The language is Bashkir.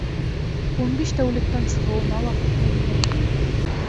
Ун биш тәүлектән сығыуына ла күпме генә.